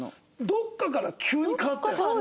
どこかから急に変わったよね。